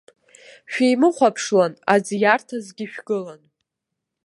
Шәимыхәаԥшлан аӡ иарҭазгьы шәгылан!